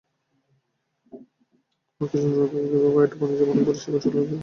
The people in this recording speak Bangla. ক্রিস্টিয়ানো রোনালদোকে কীভাবে আটকাবেন, অনেকবারই সেই কৌশল ভেবে নির্ঘুম রাত কাটিয়েছেন জেরার্ড পিকে।